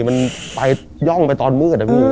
มันไปย่องไปตอนมืดนะพี่